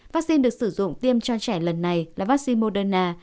vaccine được sử dụng tiêm cho trẻ lần này là vaccine moderna